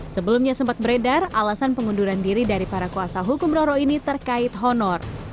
sebelumnya sempat beredar alasan pengunduran diri dari para kuasa hukum roro ini terkait honor